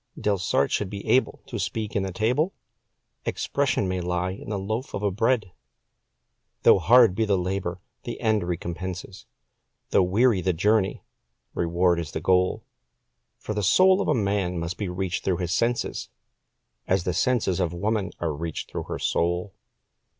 Delsarte should be able to speak in the table 'Expression' may lie in a light loaf of bread. Though hard be the labour, the end recompenses Though weary the journey, reward is the goal. For the soul of a man must be reached through his senses, As the senses of woman are reached through her soul.